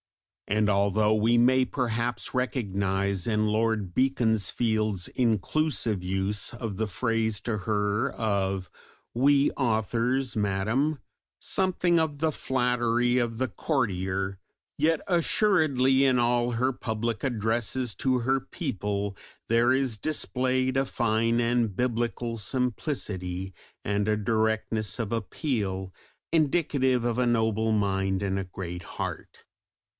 And although we may perhaps recognise in Lord Beaconsfield's inclusive use of the phrase to her of "we authors, Madam" something of the flattery of the courtier, yet assuredly in all her public addresses to her people there is displayed a fine and biblical simplicity, and a directness of appeal indicative of a noble mind and a great heart.